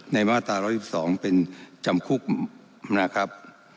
มาตรา๑๑๒เป็นจำคุกนะครับ